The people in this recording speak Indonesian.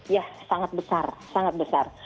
ya sangat besar sangat besar